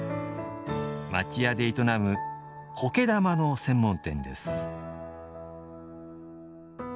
町家で営む苔玉の専門店です。